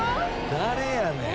誰やねん？